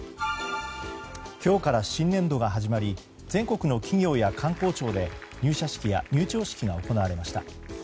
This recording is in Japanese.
今日から新年度が始まり全国の企業や官公庁で入社式や入庁式が行われました。